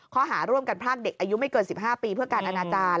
ข้อหาร่วมกันพรากเด็กอายุไม่เกิน๑๕ปีเพื่อการอนาจารย์